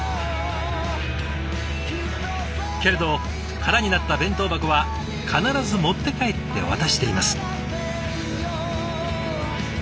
けれど空になった弁当箱は必ず持って帰って渡しています。